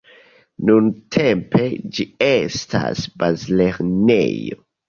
Nuntempe ĝi estas bazlernejo.